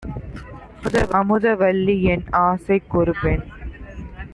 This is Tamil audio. "அமுத வல்லிஎன் ஆசைக் கொருபெண்!